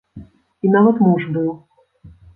І нават муж быў.